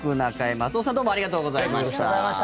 松尾さんどうもありがとうございました。